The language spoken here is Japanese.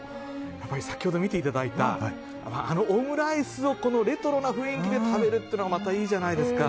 先ほど見ていただいたオムライスをこのレトロな雰囲気で食べるっていうのがまたいいじゃないですか。